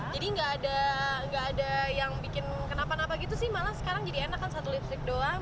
jadi gak ada yang bikin kenapa napa gitu sih malah sekarang jadi enak kan satu lipstick doang